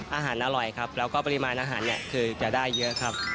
อร่อยครับแล้วก็ปริมาณอาหารเนี่ยคือจะได้เยอะครับ